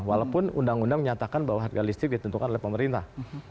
walaupun undang undang menyatakan bahwa harga listrik ditentukan oleh pemerintah